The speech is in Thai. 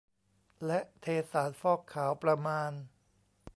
และเทสารฟอกขาวประมาณ